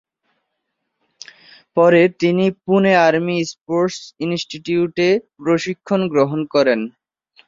পরে, তিনি Pune army sports ইনস্টিটিউটে প্রশিক্ষণ গ্রহণ করেন।